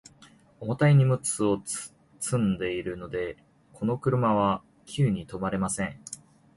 重たい荷物を積んでいるので、この車は急に止まれません。